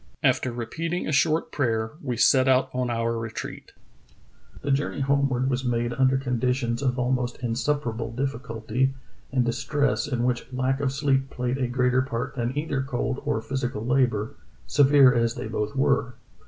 After re peating a short prayer we set out on our retreat. " The journey homeward was made under conditions Kane's Rescue of His Shipmates 103 of almost insuperable difficulty and distress in which lack of sleep played a greater part than either cold or physical labor, severe as they both were.